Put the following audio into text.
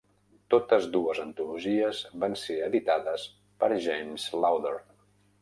Totes dues antologies van ser editades per James Lowder.